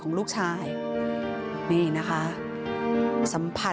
คุณผู้ชมค่ะคุณผู้ชมค่ะ